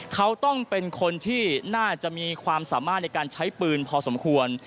เขาต้องเป็นคนที่น่าจะมีความสามารถในการใช้ปืนพอสมควร